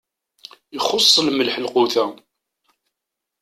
Ixuṣṣ lmelḥ lqut-a.